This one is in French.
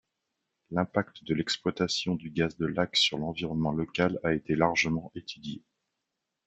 L'impact de l'exploitation du gaz de Lacq sur l'environnement local a été largement étudié.